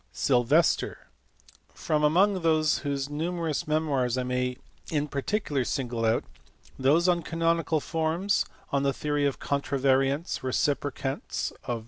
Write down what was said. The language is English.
Sylvester (see pp. 461, 462, 482), from among whose numerous memoirs I may in particular single out those on canonical forms, on the theory of contravariants, reci procants (i.e.